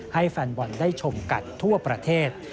ให้แฟนบอลได้ชมกันทั่วประเทศ